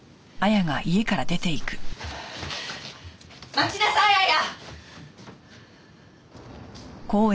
待ちなさい亜矢！